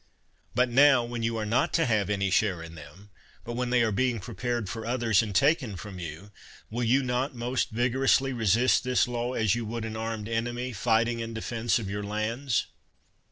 But now when you are not to have any share in them, but when they are being prepared for others and taken from you, will you not most vigorously resist this law as you would an armed enemy, fighting in defense of your lands.